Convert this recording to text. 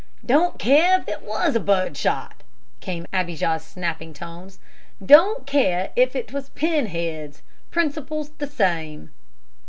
"Don't care if 't was bird shot!" came Abijah's snapping tones. "Don't care if 't was pin heads; principle's the same."